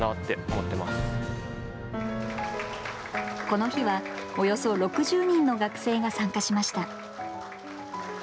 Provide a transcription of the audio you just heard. この日はおよそ６０人の学生が参加しました。